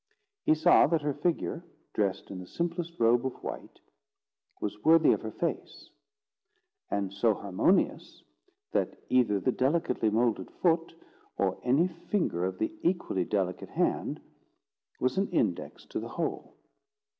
He saw that her figure, dressed in the simplest robe of white, was worthy of her face; and so harmonious, that either the delicately moulded foot, or any finger of the equally delicate hand, was an index to the whole.